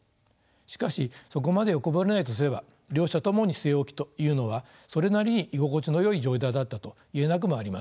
しかしそこまで欲張れないとすれば両者ともに据え置きというのはそれなりに居心地のよい状態だったと言えなくもありません。